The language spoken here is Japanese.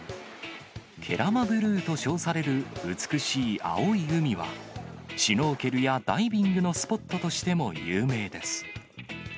ケラマブルーと称される美しい青い海は、シュノーケルやダイビングのスポットとしても有名です。